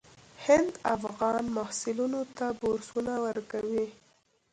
هند افغان محصلینو ته بورسونه ورکوي.